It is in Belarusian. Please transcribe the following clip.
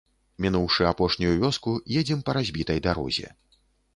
Мінуўшы апошнюю вёску, едзем па разбітай дарозе.